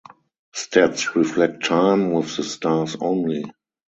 Stats reflect time with the Stars only.